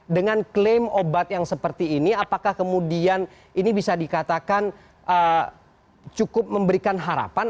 dengan klaim obat yang seperti ini apakah kemudian ini bisa dikatakan cukup memberikan harapan